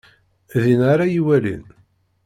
Dinna ara yi-walin.